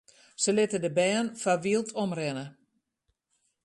Sy litte de bern foar wyld omrinne.